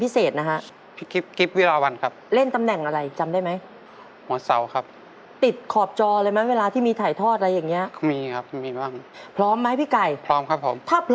สวัสดีค่ะ